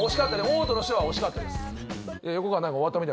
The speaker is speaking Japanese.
「オート」の人は惜しかったです。